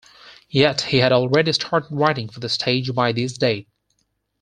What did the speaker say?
Yet he had already started writing for the stage by this date.